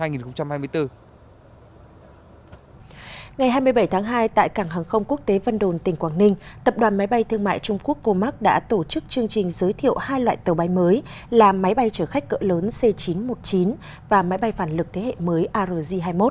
ngày hai mươi bảy tháng hai tại cảng hàng không quốc tế vân đồn tỉnh quảng ninh tập đoàn máy bay thương mại trung quốc comac đã tổ chức chương trình giới thiệu hai loại tàu bay mới là máy bay chở khách cỡ lớn c chín trăm một mươi chín và máy bay phản lực thế hệ mới arg hai mươi một